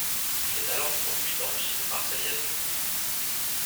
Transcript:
Il est alors produit dans l'usine marseillaise du groupe.